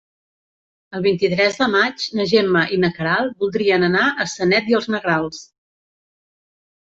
El vint-i-tres de maig na Gemma i na Queralt voldrien anar a Sanet i els Negrals.